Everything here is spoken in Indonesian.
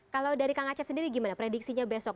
kalau dari kang acep sendiri gimana prediksinya besok